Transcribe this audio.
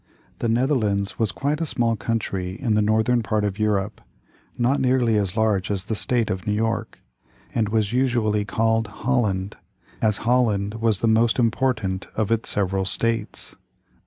The Netherlands was quite a small country in the northern part of Europe, not nearly as large as the State of New York, and was usually called Holland, as Holland was the most important of its several states.